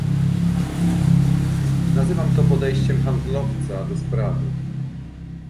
Nazywam to "podejściem handlowca" do sprawy